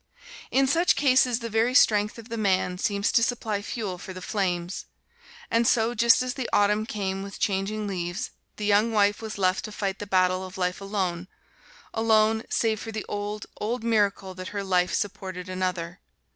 In such cases the very strength of the man seems to supply fuel for the flames. And so just as the Autumn came with changing leaves, the young wife was left to fight the battle of life alone alone, save for the old, old miracle that her life supported another.